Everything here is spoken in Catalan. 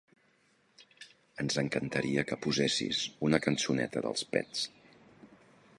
Ens encantaria que posessis una cançoneta d'Els Pets.